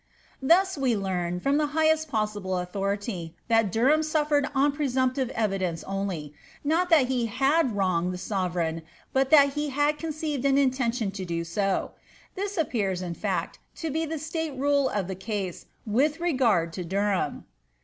' Thus we learn, from the highest possible authority, that Derham suf ed on presumptive evidence only ; not that he had wronged the sove ^, but that he had conceived an intention of doing so. This appears, bet, to be the true state of the case with regard to Derham.